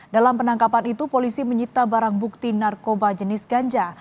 dalam penangkapan itu polisi menyita barang bukti narkoba jenis ganja